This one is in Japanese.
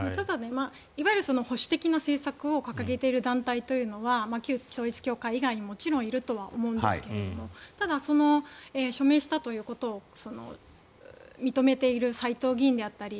いわゆる保守的な政策を掲げている団体というのは旧統一教会以外にもちろんいるとは思うんですがただ、署名したということを認めている斎藤議員であったり